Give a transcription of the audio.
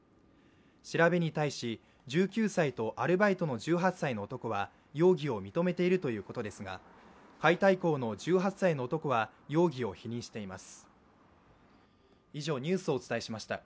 調べに対し１９歳とアルバイトの１８歳の男は容疑を認めているということですが、解体工の１８歳の男は容疑を否認しています。